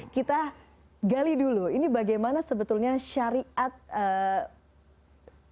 kita gali dulu ini bagaimana sebetulnya syariat